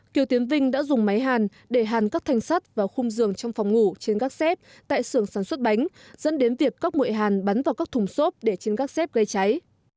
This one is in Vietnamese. kiều tiến vinh đã dùng máy hàn để hàn các thanh sắt vào khung giường trong phòng ngủ trên gác xếp tại xưởng sản xuất bánh dẫn đến việc các mụi hàn bắn vào các thùng xốp để trên các xếp gây cháy